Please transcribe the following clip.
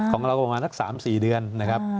ของเราประมาณสัก๓๔เดือนนะครับ